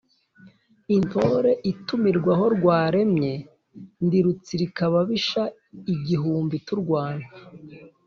intore itumirwa aho rwaremye, ndi rutsirika ababisha igihumbi turwana.